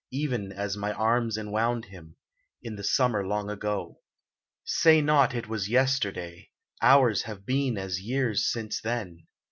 Even as my arms enwound him — In the summer, long ago ! Say not it was yesterday! Hours have been as years since then